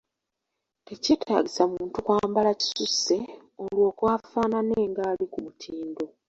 Tekyetaagisa muntu kwambala kisusse olwoke afaanane ng'ali ku mutindo.